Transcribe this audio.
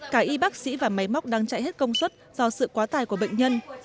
cả y bác sĩ và máy móc đang chạy hết công suất do sự quá tải của bệnh nhân